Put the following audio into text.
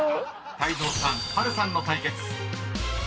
［泰造さん波瑠さんの対決］